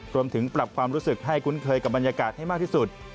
ปรับความรู้สึกให้คุ้นเคยกับบรรยากาศให้มากที่สุด